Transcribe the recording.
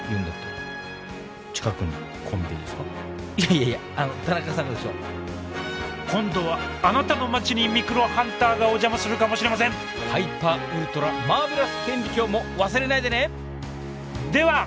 いやいや田中さんがですよ。今度はあなたの町にミクロハンターがお邪魔するかもしれませんハイパーウルトラマーベラス顕微鏡も忘れないでねでは。